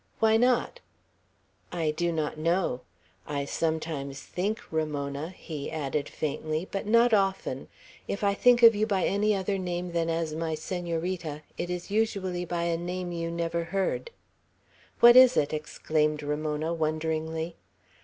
"Why not?" "I do not know. I sometimes think 'Ramona,'" he added faintly; "but not often. If I think of you by any other name than as my Senorita, it is usually by a name you never heard." "What is it?" exclaimed Ramona, wonderingly.